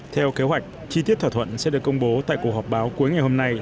theo kế hoạch chi tiết thỏa thuận sẽ được công bố tại cuộc họp báo cuối ngày hôm nay